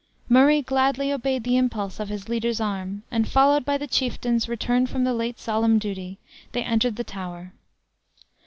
Murray gladly obeyed the impulse of his leader's arm; and, followed by the chieftains returned from the late solemn duty, they entered the tower.